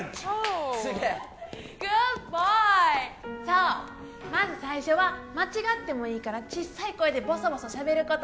そうまず最初は間違ってもいいからちっさい声でぼそぼそ喋ること